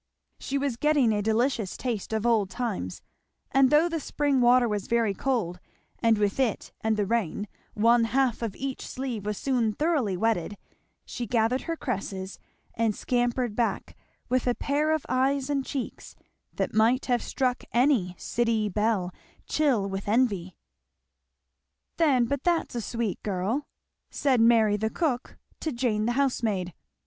She was getting a delicious taste of old times, and though the spring water was very cold and with it and the rain one half of each sleeve was soon thoroughly wetted, she gathered her cresses and scampered back with a pair of eyes and cheeks that might have struck any city belle chill with envy. "Then but that's a sweet girl!" said Mary the cook to Jane the housemaid.